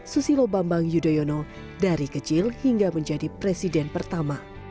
susilo bambang yudhoyono dari kecil hingga menjadi presiden pertama